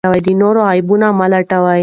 د نورو عیبونه مه لټوه.